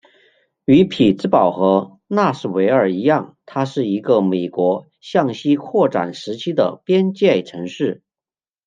与匹兹堡和纳什维尔一样它是一个美国向西扩展时期的边界城市。